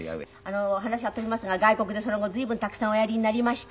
話が飛びますが外国でその後随分たくさんおやりになりまして。